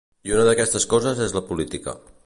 I una d’aquestes coses és la política.